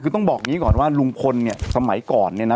คือต้องบอกอย่างนี้ก่อนว่าลุงพลเนี่ยสมัยก่อนเนี่ยนะ